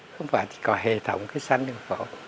không phải chỉ có hệ thống cái xanh đường phố